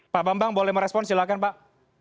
pak bambang boleh merespon silahkan pak